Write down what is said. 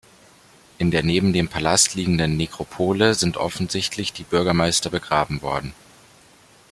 In der neben dem Palast liegenden Nekropole sind offensichtlich die Bürgermeister begraben worden.